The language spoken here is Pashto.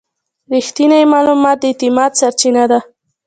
رښتینی معلومات د اعتماد سرچینه ده.